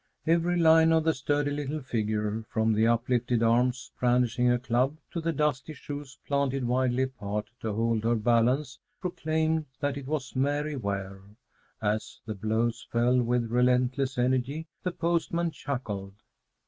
Every line of the sturdy little figure, from the uplifted arms brandishing a club to the dusty shoes planted widely apart to hold her balance, proclaimed that it was Mary Ware. As the blows fell with relentless energy, the postman chuckled.